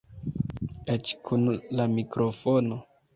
Eĉ kun la mikrofono.